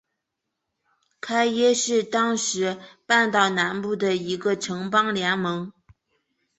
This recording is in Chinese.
伽倻是当时半岛南部的一个城邦联盟。